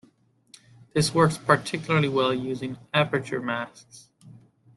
This works particularly well using aperture masks.